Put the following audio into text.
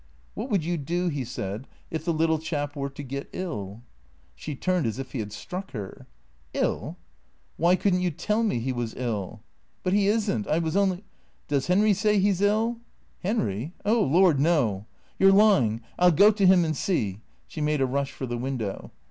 " What would you do," he said, " if the little chap were to get ill?" She turned as if he had struck her. "111? Wliy couldn't you tell me he was ill?" " But he is n't. I was only "" Does Henry say he 's ill ?" "Henry? Oh Lord, no." " You 're lying. I '11 go to him and see She made a rush for the window.